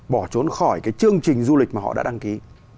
bỏ trốn khỏi cái chương trình du lịch mà họ đã đăng ký